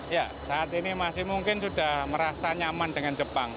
ya saat ini masih mungkin sudah merasa nyaman dengan jepang